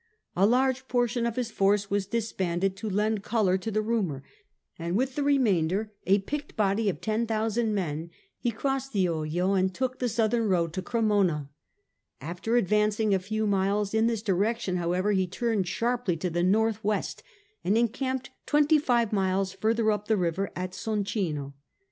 A large portion of his force was disbanded to lend colour to the rumour, and with the remainder, a picked body of 10,000 men, he crossed the Oglio and took the southern road to Cremona. After advancing a few miles in this direction, however, he turned sharply to the north THE BATTIX OP COBTEHUOVA _. C<nte*mova>; fJ *' Mfen Sonc'mo' west and encamped twenty five miles further up the river, at Soncino.